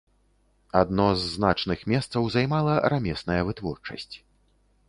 Адно з значных месцаў займала рамесная вытворчасць.